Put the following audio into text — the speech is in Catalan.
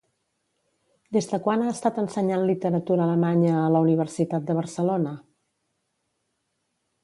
Des de quan ha estat ensenyant literatura alemanya a la Universitat de Barcelona?